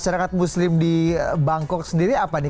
masyarakat muslim di bangkok sendiri apa nih